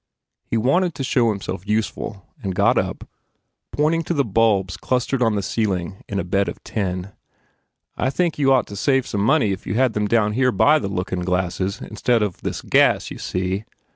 He wanted to show himself useful and got up, pointing to the bulbs clustered on the ceiling in a bed of tin, "I should think you d ought to save money if you had them down here by the lookin glasses instead of this gas, y see?